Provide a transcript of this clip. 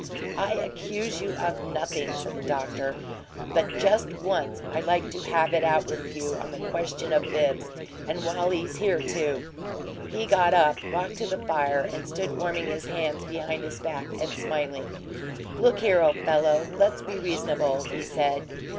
"I accuse you of nothing," said the doctor. "But just once I'd like to have it out with you on the question of Bibbs and while he's here, too." He got up, walked to the fire, and stood warming his hands behind his back and smiling. "Look here, old fellow, let's be reasonable," he said.